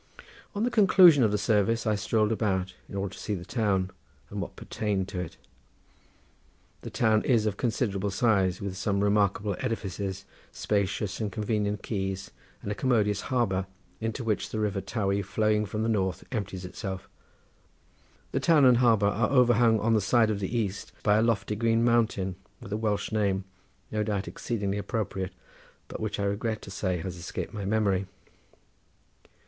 On the conclusion of the services I strolled about in order to see the town and what pertained to it. The town is of considerable size with some remarkable edifices, spacious and convenient quays, and a commodious harbour into which the river Tawy flowing from the north empties itself. The town and harbour are overhung on the side of the east by a lofty green mountain with a Welsh name, no doubt exceedingly appropriate, but which I regret to say has escaped my memory.